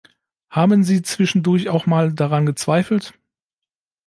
Haben Sie zwischendurch auch mal daran gezweifelt?